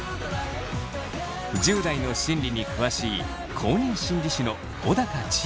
１０代の心理に詳しい公認心理師の小高千枝さんは。